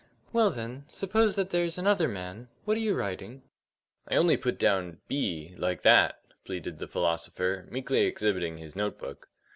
"Well then, suppose that there's another man what are you writing?" "I only put down (B) like that," pleaded the philosopher, meekly exhibiting his note book.